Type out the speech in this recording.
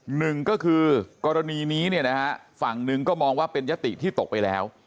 หนึ่งก็คือกรณีนี้เนี่ยนะฮะฝั่งหนึ่งก็มองว่าเป็นยติที่ตกไปแล้ว